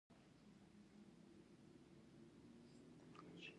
• د میلمستیا مېلمانه یو ځای کښېناستل.